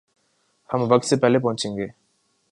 ہم وقت سے پہلے پہنچیں گے